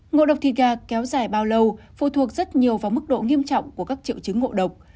ngộ độc thịt gà kéo dài bao lâu phụ thuộc rất nhiều vào mức độ nghiêm trọng của các triệu chứng ngộ độc